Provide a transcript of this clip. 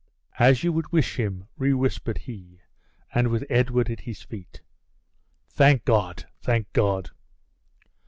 "As you would wish him," rewhispered he, "and with Edward at his feet." "Thank God, thank God!"